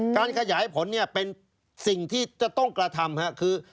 การขยายผลเนี่ยเป็นสิ่งที่จะต้องกระทำคือ